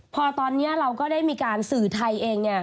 พอตอนนี้เราก็ได้มีการสื่อภาพไทยเอง